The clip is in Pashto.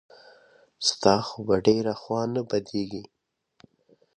ستا خو به ډېره خوا نه بدېږي.